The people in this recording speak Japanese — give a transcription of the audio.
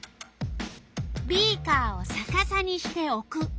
ビーカーをさかさにしておく。